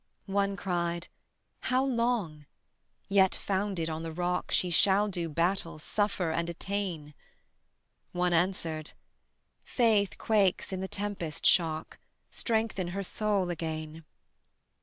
One cried: "How long? yet founded on the Rock She shall do battle, suffer, and attain." One answered: "Faith quakes in the tempest shock: Strengthen her soul again."